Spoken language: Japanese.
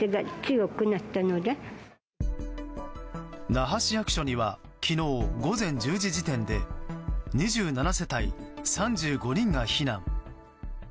那覇市役所には昨日午前１０時時点で２７世帯３５人が避難。